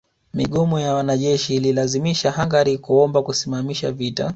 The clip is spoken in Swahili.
Migomo ya wanajeshi ililazimisha Hungaria kuomba kusimamisha vita